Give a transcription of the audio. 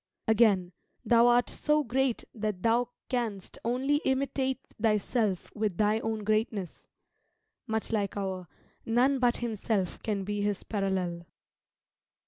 Again "Thou art so great that thou canst only imitate thyself with thy own greatness;" much like our "None but himself can be his parallel."